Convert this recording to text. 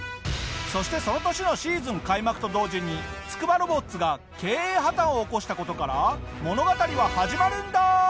そしてその年のシーズン開幕と同時につくばロボッツが経営破綻を起こした事から物語は始まるんだ。